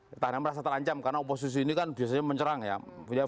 petahana merasa terancam karena oposisi ini kan biasanya mencerang ya